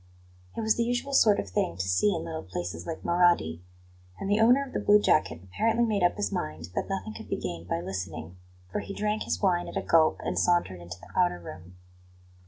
It was the usual sort of thing to see in little places like Marradi; and the owner of the blue jacket apparently made up his mind that nothing could be gained by listening; for he drank his wine at a gulp and sauntered into the outer room.